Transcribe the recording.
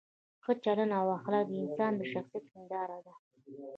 ښه چلند او اخلاق د انسان د شخصیت هنداره ده.